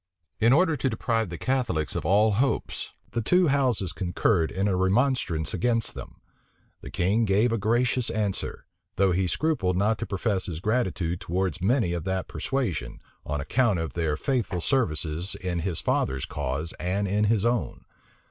In order to deprive the Catholics of all hopes, the two houses concurred in a remonstrance against them. The king gave a gracious answer; though he scrupled not to profess his gratitude towards many of that persuasion, on account of their faithful services in his father's cause and in his own.